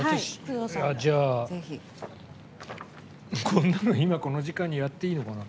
こんなの今、この時間にやっていいのかな。